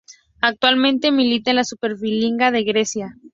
Actualmente milita en la Superliga de Grecia.